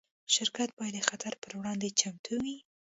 شرکت باید د خطر پر وړاندې چمتو وي.